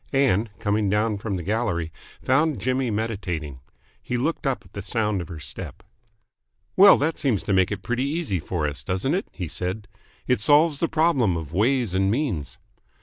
Ann, coming down from the gallery, found Jimmy meditating. He looked up at the sound of her step. "Well, that seems to make it pretty easy for us, doesn't it?" he said. "It solves the problem of ways and means."